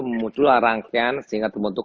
memutulah rangkaian sehingga terbentuk